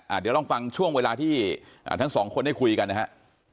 เดี๋ยวลองฟังช่วงเวลาที่ทั้งสองคนได้คุยกันนะฮะ